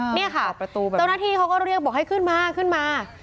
เจ้าน้าที่เขาก็เรียกบอกให้ขึ้นมา